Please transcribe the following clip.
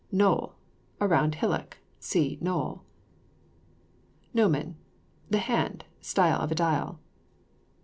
GNOLL. A round hillock. (See KNOLL.) GNOMON. The hand; style of a dial.